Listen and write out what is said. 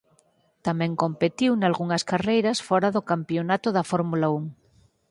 Tamén competiu nalgunhas carreiras fora do campionato da Fórmula Un.